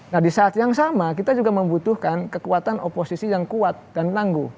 nah di saat yang sama kita juga membutuhkan kekuatan oposisi yang kuat dan tangguh